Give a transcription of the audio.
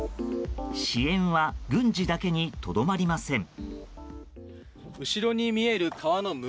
支援は軍事だけにとどまりません。